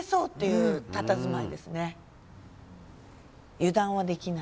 いうたたずまいですね